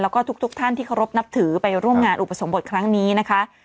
แล้วก็ทุกท่านที่เคารพนับถือไปร่วมงานอุปสมบทครั้งนี้นะคะ